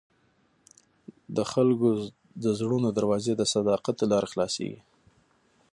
د خلکو د زړونو دروازې د صداقت له لارې خلاصېږي.